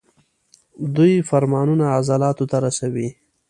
دوی فرمانونه عضلاتو ته رسوي.